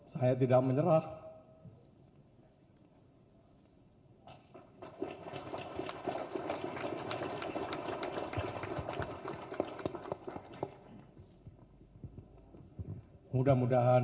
saya tidak menyerah